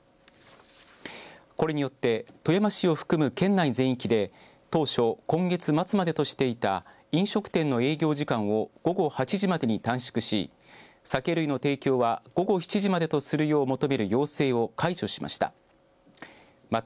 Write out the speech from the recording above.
これによって富山市を含む県内全域で当初、今月末までとしていた飲食店の営業時間を午後８時までに短縮し酒類の提供は午後７時までとするよう求める要請を解除しました。